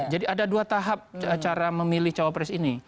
jadi ada dua tahap cara memilih cawapres ini